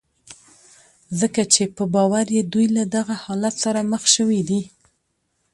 ځکه چې په باور يې دوی له دغه حالت سره مخ شوي دي.